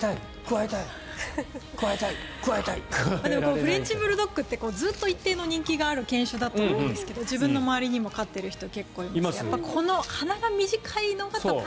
フレンチブルドッグってずっと一定の人気がある犬種だと思うんですが自分の周りにも結構飼ってる人がいて。